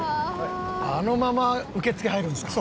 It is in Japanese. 「あのまま受付入るんですか？」